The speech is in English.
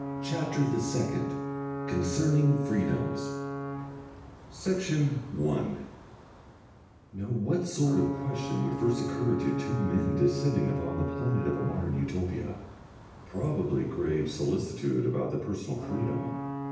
CHAPTER THE SECOND Concerning Freedoms Section 1 Now what sort of question would first occur to two men descending upon the planet of a Modern Utopia? Probably grave solicitude about their personal freedom.